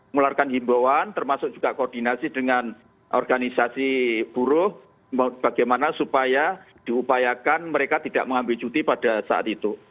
melarkan himbauan termasuk juga koordinasi dengan organisasi buruh bagaimana supaya diupayakan mereka tidak mengambil cuti pada saat itu